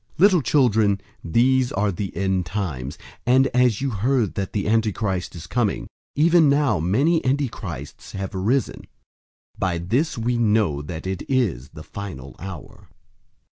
002:018 Little children, these are the end times, and as you heard that the Antichrist is coming, even now many antichrists have arisen. By this we know that it is the final hour.